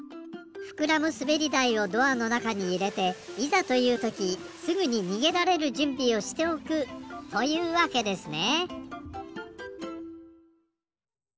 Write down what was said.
ふくらむすべりだいをドアのなかにいれていざというときすぐににげられるじゅんびをしておくというわけですね。